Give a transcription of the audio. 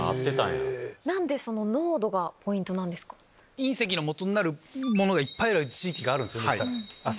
隕石のもとになるものがいっぱいある地域がある。